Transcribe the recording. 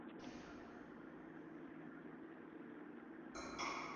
Sólo permaneció encarcelado allí durante un año y cuatro meses.